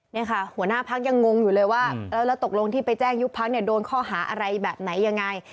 นี่ค่ะหัวหน้าพักยังงงอยู่เลยว่าแล้วตกลงที่ไปแจ้งยุบพักเนี่ยโดนข้อหาอะไรแบบไหนยังไง